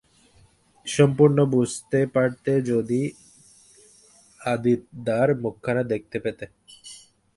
সম্পূর্ণ বুঝতে পারতে, যদি আদিতদার মুখখানা দেখতে পেতে।